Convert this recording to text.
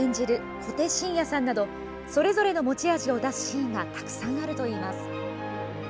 小手伸也さんなどそれぞれの持ち味を出すシーンがたくさんあるといいます。